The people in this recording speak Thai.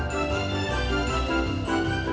คุณลิดใช่ไหมครับ